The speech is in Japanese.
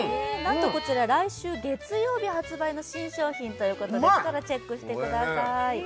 こちらは来週月曜日発売の新商品ということでチェックしてください。